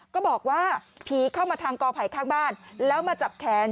ก็บอกว่าผีเข้ามาทางกอไผ่ข้างบ้านแล้วมาจับแขน